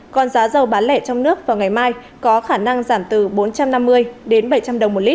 còn giá dầu bán lẻ trong nước vào ngày mai có khả năng giảm từ bốn trăm năm mươi đến bảy trăm linh đồng một lít